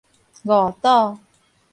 五堵